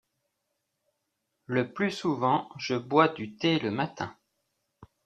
Le plus souvent je bois du thé le matin.